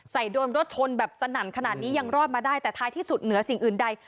โดนรถชนแบบสนั่นขนาดนี้ยังรอดมาได้แต่ท้ายที่สุดเหนือสิ่งอื่นใด